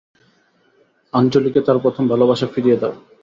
আঞ্জলিকে তার প্রথম ভালোবাসা ফিরিয়ে দাও।